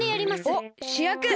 おっしゅやく！